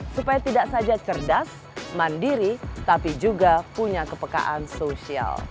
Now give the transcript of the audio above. supaya tidak saja cerdas mandiri tapi juga punya kepekaan sosial